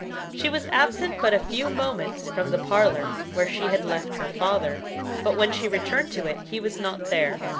She was absent but a few moments from the parlor, where she had left her father, but when she returned to it he was not there.